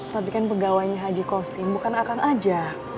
tapi kan pegawainya haji kosing bukan akang aja